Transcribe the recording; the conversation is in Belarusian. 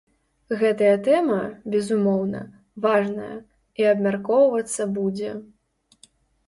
Гэтая тэма, безумоўна, важная і абмяркоўвацца будзе.